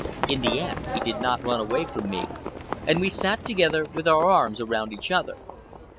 In the end, he did not run away from me, and we sat together with our arms around each other.